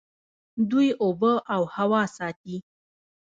دوی اوبه او هوا ساتي.